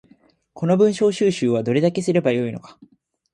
この文章収集はどれだけすれば良いのか